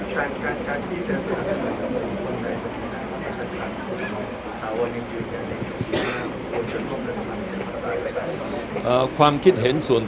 ความคิดเห็นส่วนต่างกันความคิดเห็นส่วนต่างกัน